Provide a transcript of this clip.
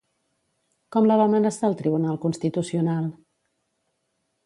Com la va amenaçar el Tribunal Constitucional?